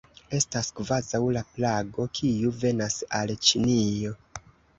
Estas kvazaŭ la plago, kiu venas al Ĉinio.